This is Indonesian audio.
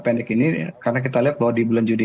pendek ini karena kita lihat bahwa di bulan juni